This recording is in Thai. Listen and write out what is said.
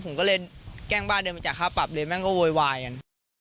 ผมก็เลยแกล้งบ้านเดินไปจ่ายค่าปรับเลยแม่งก็โวยวายกัน